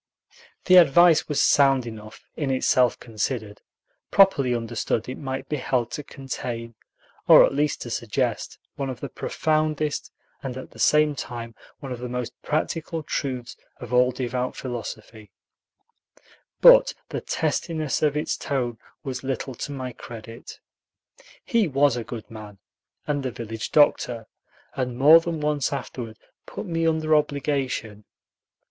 The advice was sound enough, in itself considered; properly understood, it might be held to contain, or at least to suggest, one of the profoundest, and at the same time one of the most practical, truths of all devout philosophy; but the testiness of its tone was little to my credit. He was a good man, and the village doctor, and more than once afterward put me under obligation.